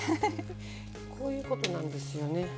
こういうことなんですよね。